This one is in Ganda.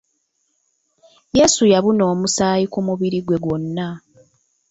Yesu yabuna omusaayi ku mubiri gwe gwonna.